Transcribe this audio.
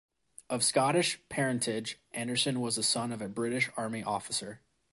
Of Scottish parentage, Anderson was the son of a British Army officer.